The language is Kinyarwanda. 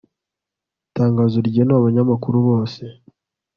ltangazo rigenewe abanyamukuru bose